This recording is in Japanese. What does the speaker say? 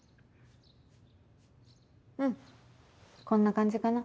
うんこんな感じかな。